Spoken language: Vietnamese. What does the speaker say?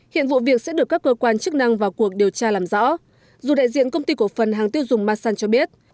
hiện vụ việc sẽ được các cơ quan chức năng vào cuộc điều tra làm rõ dù đại diện công ty cổ phần hàng tiêu dùng masan cho biết